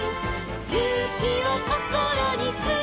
「ゆうきをこころにつめて」